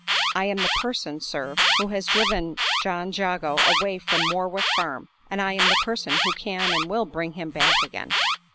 I am the person, sir, who has driven John Jago away from Morwick Farm; and I am the person who can and will bring him back again."